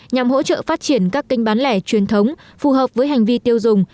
nhằm hỗ trợ phát triển các kênh bán lẻ truyền thống phù hợp với hành vi tiêu dùng